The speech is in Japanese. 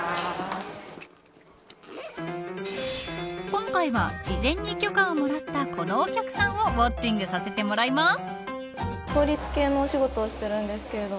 今回は、事前に許可をもらったこのお客さんをウォッチングさせてもらいます。